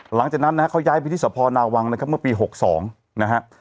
หลังจากนั้นนะฮะเขาย้ายไปที่สพนาวังนะครับเมื่อปี๖๒นะฮะ